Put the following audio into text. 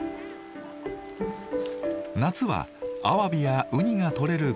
夏はアワビやウニがとれるこの浜。